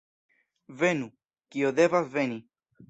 Venu, kio devas veni!